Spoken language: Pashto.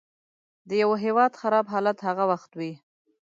د یوه هیواد خراب حالت هغه وخت وي.